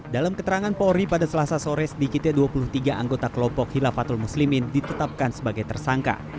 dalam keterangan polri pada selasa sore sedikitnya dua puluh tiga anggota kelompok hilafatul muslimin ditetapkan sebagai tersangka